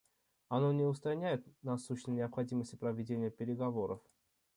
Оно не устраняет насущной необходимости проведения переговоров.